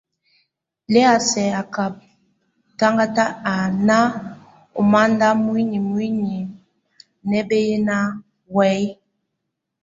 Lɛ́ a sɛk á katandak a nákan o matand muinemuine nábɛhɛŋɛna waye.